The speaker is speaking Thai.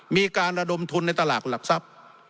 มีการระดมทุนในตลาดหลักทรัพย์